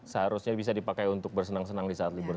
seharusnya bisa dipakai untuk bersenang senang di saat libur